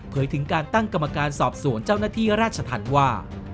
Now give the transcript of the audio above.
ถึงการตั้งกรรมการสอบสวนเจ้าหน้าที่ราชธรรมว่า